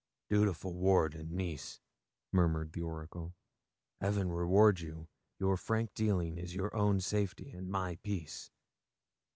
dutiful ward and niece!' murmured the oracle; 'heaven reward you your frank dealing is your own safety and my peace.